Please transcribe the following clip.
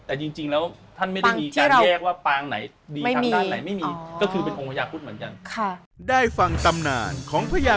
แต่จริงแล้วท่านไม่ได้มีการแยกว่าปางไหนดีทางด้านไหนไม่มี